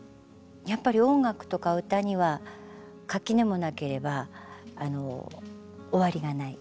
やっぱり音楽とか歌には垣根もなければ終わりがない。